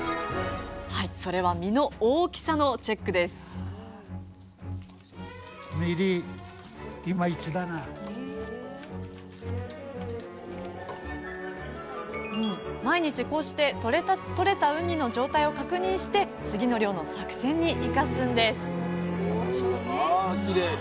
それは身の毎日こうしてとれたウニの状態を確認して次の漁の作戦に生かすんです